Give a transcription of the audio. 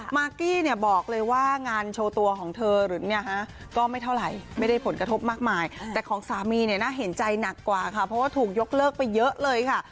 มากกี้เนี่ยบอกเลยว่างานโชว์ตัวของเธอหรือเนี่ยฮะก็ไม่เท่าไหร่ไม่ได้ผลกระทบมากมายแต่ของสามีเนี่ยน่าเห็นใจหนักกว่าค่ะเพราะว่าถูกยกเลิกไปเยอะเลยค่ะ